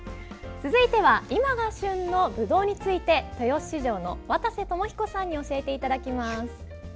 続いては今が旬のぶどうについて豊洲市場の渡瀬智彦さんに教えていただきます。